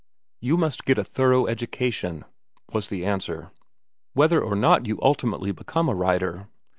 "You must get a thorough education," was the answer, "whether or not you ultimately become a writer.